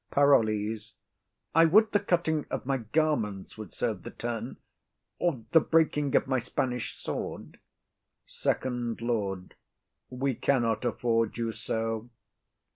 PAROLLES. I would the cutting of my garments would serve the turn, or the breaking of my Spanish sword. FIRST LORD. [Aside.] We cannot afford you so.